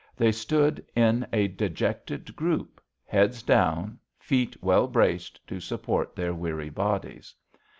They stood in a dejected group, heads down, feet well braced to support their weary bodies.